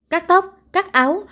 cắt tóc cắt áo